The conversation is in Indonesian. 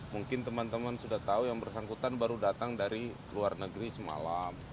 mungkin teman teman sudah tahu yang bersangkutan baru datang dari luar negeri semalam